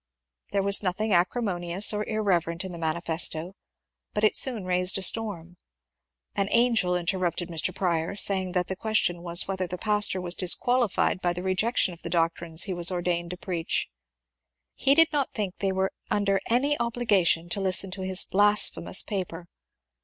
There was nothing acrimonious or irreverent in the manifesto, but it soon raised a storm. An *^ Angel " interrupted Mr. Prior, saying that the question was whether the pastor was disqualified by the rejection of the doctrines he was ordained to preach. He did not think they were under any obligation to listen to his ^ blasphemous " paper.